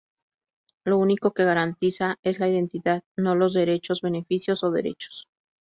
Lo único que garantiza es la identidad; no los derechos, beneficios o derechos.